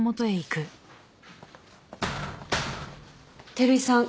照井さん